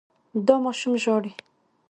دا ماشوم ژاړي.